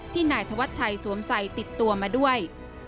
นายธวัชชัยสวมใส่ติดตัวมาด้วย